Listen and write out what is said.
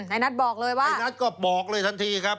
นายนัทบอกเลยว่าในนัทก็บอกเลยทันทีครับ